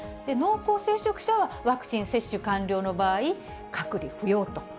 濃厚接触者はワクチン接種完了の場合、隔離不要と。